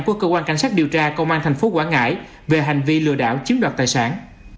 của cơ quan cảnh sát điều tra công an thành phố quảng ngãi về hành vi lừa đảo chiếm đoạt tài sản